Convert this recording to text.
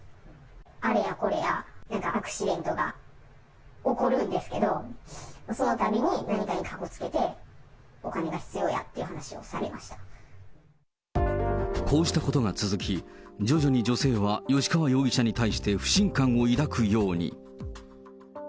あれやこれや、なんかアクシデントが起こるんですけど、そのたびに何かにかこつけて、こうしたことが続き、徐々に女性は吉川容疑者に対して不信感を抱くように。